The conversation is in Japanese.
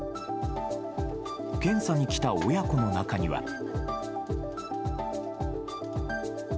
検査に来た親子の中には。